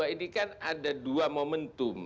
dua ratus dua belas ini kan ada dua momentum